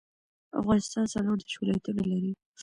افغانستان څلوردیش ولایتونه لري.